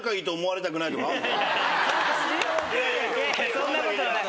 そんなことはない。